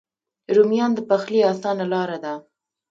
رومیان د پخلي آسانه لاره ده